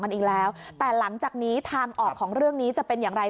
มันอีกแล้วแต่หลังจากนี้ทางออกของเรื่องนี้จะเป็นอย่างไร